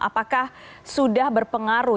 apakah sudah berpengaruh